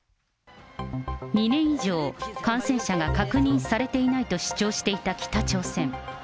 ２年以上、感染者が確認されていないと主張していた北朝鮮。